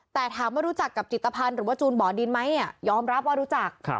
แต่ถามว่ารู้จักกับจิตภัณฑ์หรือว่าจูนบ่อดินไหมยอมรับว่ารู้จัก